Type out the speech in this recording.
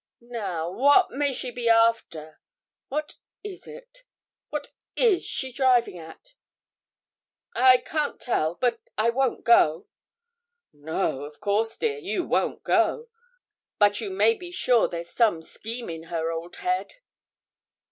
Now what may she be after what is it what is she driving at?' 'I can't tell, but I won't go.' 'No, of course, dear, you won't go. But you may be sure there's some scheme in her old head.